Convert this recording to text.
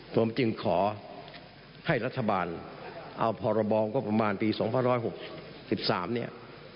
ผมจึงขอให้รัฐบาลเอาพรบองก็ประมาณปี๒๑๖๓เนี่ย